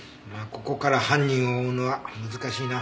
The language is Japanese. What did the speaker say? ここから犯人を追うのは難しいな。